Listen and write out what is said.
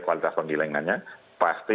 kualitas penggilingannya pasti